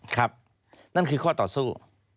ครับนั่นคือข้อต่อสู้